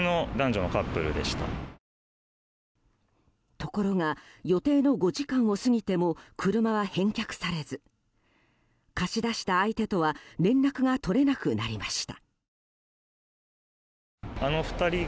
ところが予定の５時間を過ぎても車は返却されず貸し出した相手とは連絡が取れなくなりました。